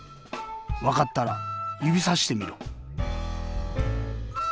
わかったらゆびさしてみろ。